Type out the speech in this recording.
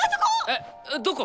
えっどこ！？